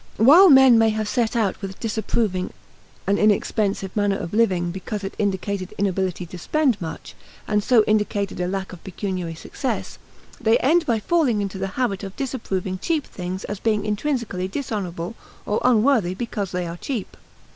While men may have set out with disapproving an inexpensive manner of living because it indicated inability to spend much, and so indicated a lack of pecuniary success, they end by falling into the habit of disapproving cheap things as being intrinsically dishonorable or unworthy because they are cheap.